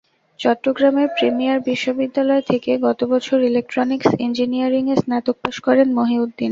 চট্টগ্রামের প্রিমিয়ার বিশ্ববিদ্যালয় থেকে গত বছর ইলেকট্রনিকস ইঞ্জিনিয়ারিংয়ে স্নাতক পাস করেন মহিউদ্দিন।